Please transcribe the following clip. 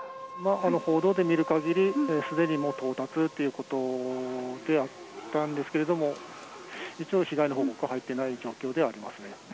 報道で見るかぎり、すでにもう到達ということであったんですけれども、一応、被害の報告は入っていない状況ではありますね。